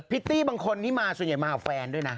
ิตตี้บางคนนี้มาส่วนใหญ่มากับแฟนด้วยนะ